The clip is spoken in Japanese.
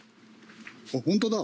あっ本当だ。